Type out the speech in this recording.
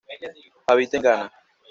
Habita en Ghana.